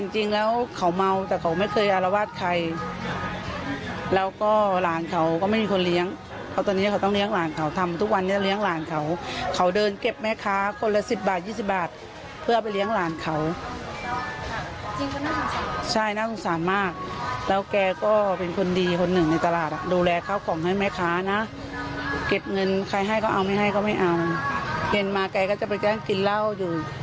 จริงแล้วเขาเมาแต่เขาไม่เคยอารวาสใครแล้วก็หลานเขาก็ไม่มีคนเลี้ยงเพราะตอนนี้เขาต้องเลี้ยงหลานเขาทำทุกวันนี้เลี้ยงหลานเขาเขาเดินเก็บแม่ค้าคนละสิบบาทยี่สิบบาทเพื่อไปเลี้ยงหลานเขาน่าใช่น่าสงสารมากแล้วแกก็เป็นคนดีคนหนึ่งในตลาดดูแลข้าวของให้แม่ค้านะเก็บเงินใครให้เขาเอาไม่ให้เขาไม่เอาเห็นมาแกก็จะไปแกล้งกินเหล้าอยู่